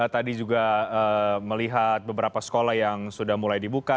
tadi juga melihat beberapa sekolah yang sudah mulai dibuka